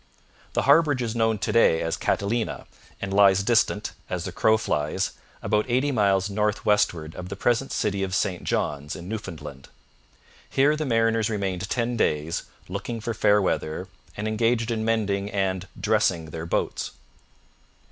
The harbourage is known to day as Catalina, and lies distant, as the crow flies, about eighty miles north westward of the present city of St John's in Newfoundland. Here the mariners remained ten days, 'looking for fair weather,' and engaged in mending and 'dressing' their boats.